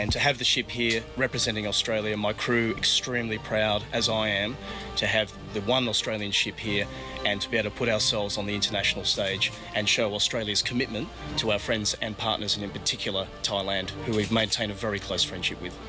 ต่อเพื่อนและเพื่อนแมลบิลล์ที่ทำให้เราได้คุณภาพกัน